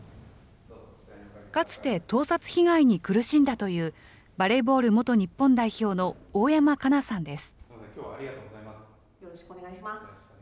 かつて盗撮被害に苦しんだというバレーボール元日本代表の大山加奈さんです。